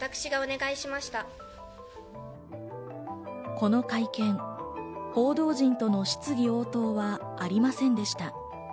この会見、報道陣との質疑応答はありませんでした。